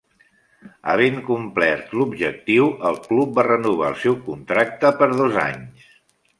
Havent complert l'objectiu, el club va renovar el seu contracte per dos anys.